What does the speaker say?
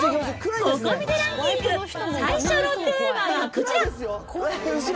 ココ見てランキング最初のテーマはこちら。